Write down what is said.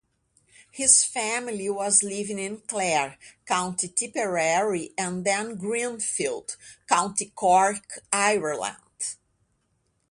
His family was living in Clare, County Tipperary and then Greenfield, County Cork, Ireland.